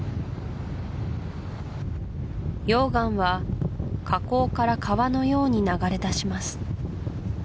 溶岩は火口から川のように流れ出します